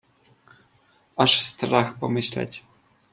"Aż strach pomyśleć!"